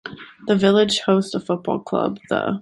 The village hosts a football club, the.